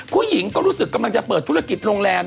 ผู้หญิงก็รู้สึกกำลังจะเปิดธุรกิจโรงแรม